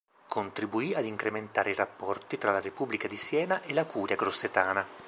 Contribuì ad incrementare i rapporti tra la Repubblica di Siena e la curia grossetana.